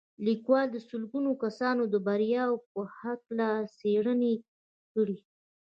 لیکوال د سلګونه کسانو د بریاوو په هکله څېړنې کړي